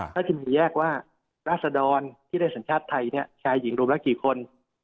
ก็จะมีแยกว่าราศดรที่ได้สัญชาติไทยชายหญิงรวมละกี่คน